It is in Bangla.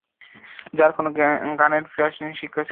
যার কোনো গানের প্রাতিষ্ঠানিক শিক্ষা ছিল না।